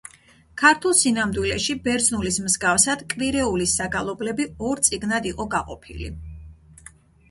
ქართულ სინამდვილეში, ბერძნულის მსგავსად, კვირეულის საგალობლები ორ წიგნად იყო გაყოფილი.